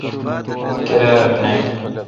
کیراب نہ۔